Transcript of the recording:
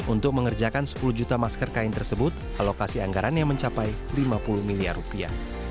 untuk mengerjakan sepuluh juta masker kain tersebut alokasi anggarannya mencapai lima puluh miliar rupiah